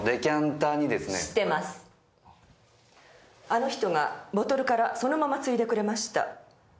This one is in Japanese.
あの人がボトルからそのまま注いでくれました。